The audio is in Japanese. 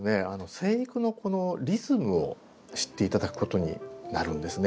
生育のこのリズムを知って頂くことになるんですね。